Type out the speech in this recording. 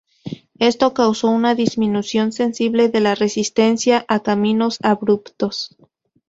Esto causó una disminución sensible de la resistencia a caminos abruptos.